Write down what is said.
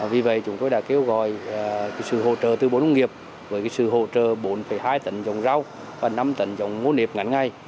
vì vậy chúng tôi đã kêu gọi sự hỗ trợ từ bốn nông nghiệp với sự hỗ trợ bốn hai tận dòng rau và năm tận dòng ngô niệp ngắn ngày